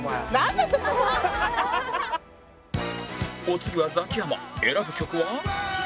お次はザキヤマ選ぶ曲は